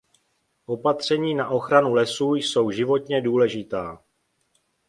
Opatření na ochranu lesů jsou životně důležitá.